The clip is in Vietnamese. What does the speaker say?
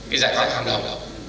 cái giải pháp tham luận